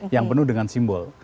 yang penuh dengan simbol